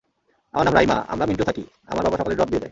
আমার নাম রাইমা, আমরা মিন্টো থাকি, আমার বাবা সকালে ড্রপ দিয়ে যায়।